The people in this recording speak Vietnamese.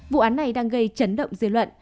vụ án này đang gây chấn động dư luận